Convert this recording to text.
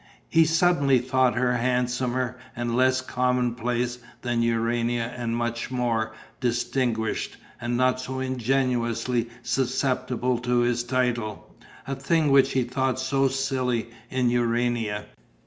He suddenly thought her handsomer and less commonplace than Urania and much more distinguished and not so ingenuously susceptible to his title, a thing which he thought so silly in Urania.